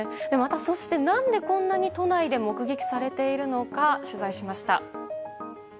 そして、またなぜこんなに都内で目撃されているのか取材しました。